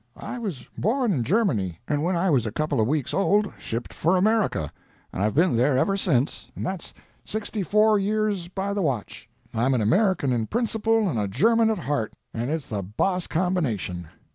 I was born in Germany, and when I was a couple of weeks old shipped for America, and I've been there ever since, and that's sixty four years by the watch. I'm an American in principle and a German at heart, and it's the boss combination.